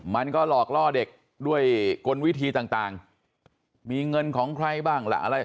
มันก็หลอกล่อเด็กด้วยกลวิธีต่างมีเงินของใครบ้างล่ะอะไร